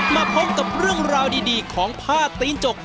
มาพบกับเรื่องราวดีของผ้าตีนจก